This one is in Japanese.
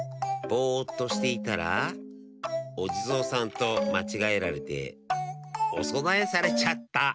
ぼっとしていたらおじぞうさんとまちがえられておそなえされちゃった。